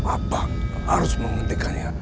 apa harus menghentikannya